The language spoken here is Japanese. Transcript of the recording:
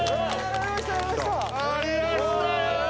やりました」